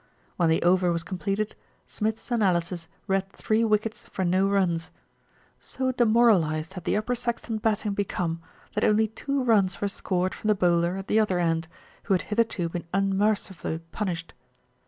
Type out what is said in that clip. When the over was completed, Smith's analysis read three wickets for no runs. So demoralised had the Upper Saxton batting become, that only two runs were scored from the bowler at the other end, who had hitherto been unmercifully punished.